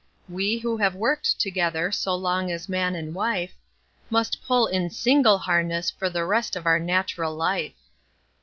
We, who have worked together so long as man and wife, Must pull in single harness for the rest of our nat'ral life.